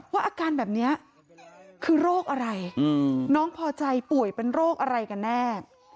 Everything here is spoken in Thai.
อาการแบบนี้คือโรคอะไรน้องพอใจป่วยเป็นโรคอะไรกันแน่